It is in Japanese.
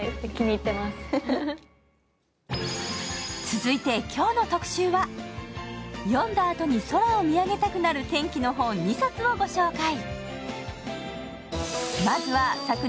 続いて今日の特集は読んだあとに空を見上げたくなる天気の本、２冊を御紹介。